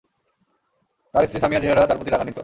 তাঁর স্ত্রী সামিয়া জেহরা তার প্রতি রাগান্বিত।